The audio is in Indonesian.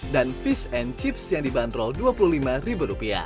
dan fish and chips yang dibanderol dua puluh lima ribu rupiah